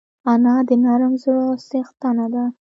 انا د نرم زړه څښتنه ده